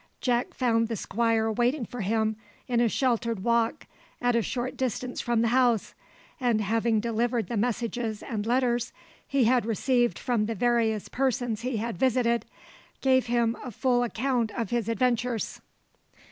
Jack found the Squire waiting for him in a sheltered walk at a short distance from the house, and having delivered the messages and letters he had received from the various persons he had visited, gave him a full account of his adventures.